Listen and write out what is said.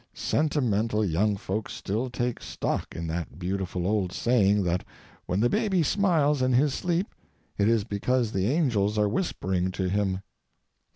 Sentimental young folks still take stock in that beautiful old saying that when the baby smiles in his sleep, it is because the angels are whispering to him.